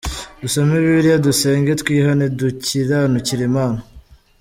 Dusome bibiliya, dusenge, twihane, dukiranukire Imana.